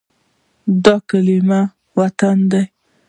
دا کلمه “وطن” ده.